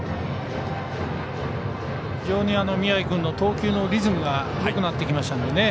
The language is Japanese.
非常に宮城君の投球のリズムがよくなってきましたので。